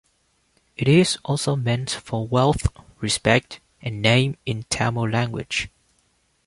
It is also meant for "wealth", "respect", and "name" in Tamil language.